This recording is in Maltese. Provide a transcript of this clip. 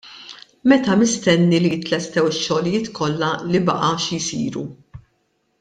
Meta mistenni li jitlestew ix-xogħlijiet kollha li baqa' xi jsiru?